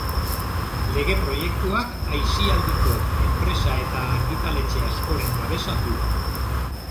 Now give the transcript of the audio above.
Lege proiektuak aisialdiko enpresa eta argitaletxe askoren babesa du.